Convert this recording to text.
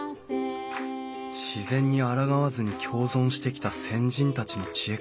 自然にあらがわずに共存してきた先人たちの知恵か。